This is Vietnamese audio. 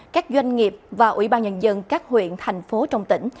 các doanh nghiệp và ủy ban nhân dân các huyện thành phố trong tỉnh